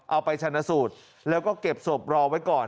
เอาไปชนะสูตรแล้วก็เก็บศพรอไว้ก่อน